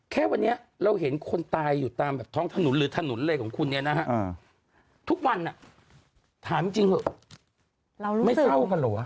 แค่วันนี้เราเห็นคนตายอยู่ตามแบบท้องถนนหรือถนนอะไรของคุณเนี่ยนะฮะทุกวันถามจริงเถอะไม่เศร้ากันเหรอ